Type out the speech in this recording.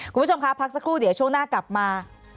คุณผู้ชมคะพักสักครู่เดี๋ยวช่วงหน้ากลับมา